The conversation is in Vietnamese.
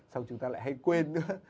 xong chúng ta lại hay quên nữa